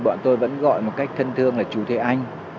bọn tôi vẫn gọi một cách thân thương là chủ thế anh